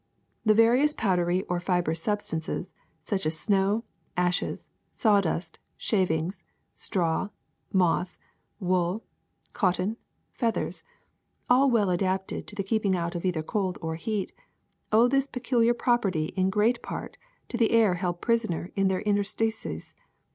^^ The various powdery or fibrous substances, such as snow, ashes, sawdust, shavings, straw, moss, wool, cotton, feathers, all well adapted to the keeping out of either cold or heat, owe this peculiar property in great part to the air held prisoner in their in terstices.